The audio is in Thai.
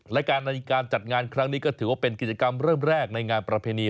และการในการจัดงานครั้งนี้ก็ถือว่าเป็นกิจกรรมเริ่มแรกในงานประเพณี